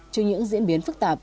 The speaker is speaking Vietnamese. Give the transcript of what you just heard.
chương trình diễn biến phức tạp